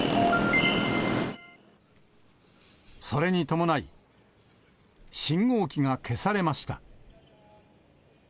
それに伴い、信号機が消されました。